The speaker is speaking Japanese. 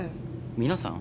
皆さん？